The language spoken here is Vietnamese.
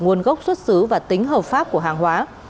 nguồn gốc xuất xứ và tính hợp pháp của hàng hóa